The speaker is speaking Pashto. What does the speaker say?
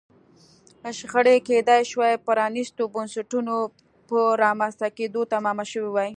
شخړې کېدای شوای پرانیستو بنسټونو په رامنځته کېدو تمامه شوې وای.